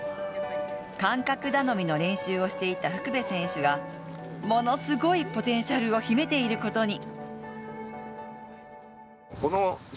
感覚頼みの練習をしていた福部選手がものすごいポテンシャルを秘めていることに。